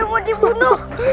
aku mau dibunuh